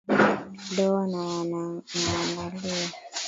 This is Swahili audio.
Doa na nawaangalia